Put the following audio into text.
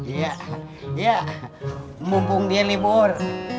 iya ya mumpung dia libur